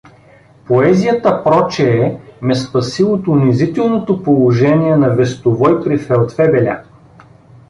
Поезията прочее ме спаси от унизителното положение на вестовой при фелдфебеля.